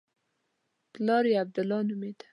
پلار یې عبدالله نومېده.